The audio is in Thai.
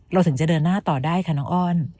ถึงจะเดินหน้าต่อได้ค่ะน้องอ้อน